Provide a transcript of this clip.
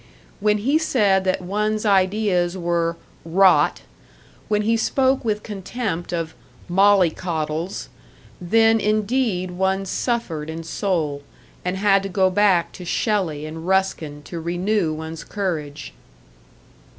When he said that one's ideas were "rot," when he spoke with contempt of "mollycoddles" then indeed one suffered in soul, and had to go back to Shelley and Ruskin to renew one's courage.